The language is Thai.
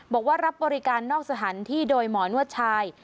บอกว่ารับบริการนอกสถานที่โดยหมอนวดชาย